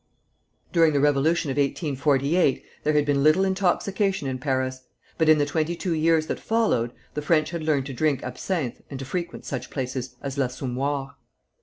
During the Revolution of 1848 there had been little intoxication in Paris; but in the twenty two years that followed, the French had learned to drink absinthe and to frequent such places as "L'Assommoir."